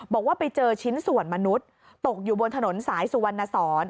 บอกว่าไปเจอชิ้นส่วนมนุษย์ตกอยู่บนถนนสายสุวรรณสอน